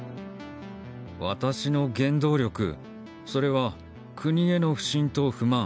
私の原動力それは国への不信と不満